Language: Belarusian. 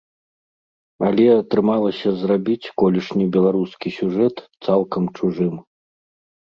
Але атрымалася зрабіць колішні беларускі сюжэт цалкам чужым.